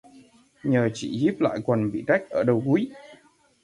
Nhờ chị díp lại quần bị rách ở đầu gúi